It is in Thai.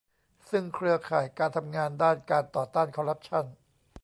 ซึ่งเครือข่ายการทำงานด้านการต่อต้านคอร์รัปชั่น